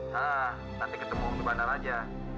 hah nanti ketemu di bandar aja